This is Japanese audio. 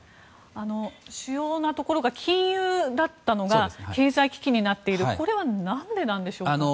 主要なところが金融だったのが経済危機になっているのは何ででしょうか。